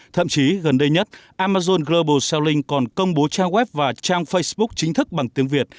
thậm chí gần đây nhất amazon global selling còn công bố trang web và trang facebook chính thức bằng tiếng việt